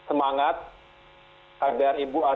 dan kemampuan untuk menjaga kondisi dan daya tahan ibu ani